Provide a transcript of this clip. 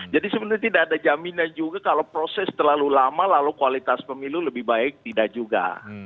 jadi sebenarnya tidak ada jaminan juga kalau proses terlalu lama lalu kualitas pemilu lebih baik tidak juga